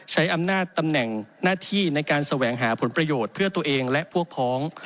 ใช้อำนาจตำแหน่งหน้าที่ในการแสวงหาผลประโยชน์เพื่อตัวเองและพวกพ้อง